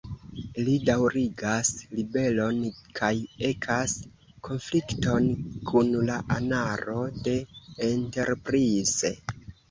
Li daŭrigas ribelon kaj ekas konflikton kun la anaro de "Enterprise".